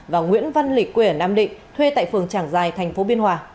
và nguyễn văn lịch quê ở nam định thuê tại phường trảng giài thành phố biên hòa